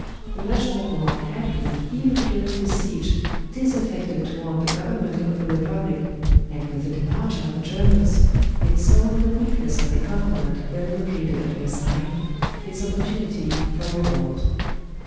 The National Guard had been even during the siege disaffected toward the Government of the Repub lic, and with the departure of the Germans, it saw in the weakness of the Government then located at Versailles its opportunity for revolt.